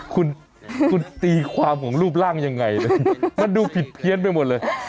คุณคุณตีความของรูปร่างยังไงนะมันดูผิดเพี้ยนไปหมดเลย